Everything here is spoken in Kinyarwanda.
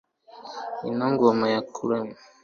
ino ngoma ya karume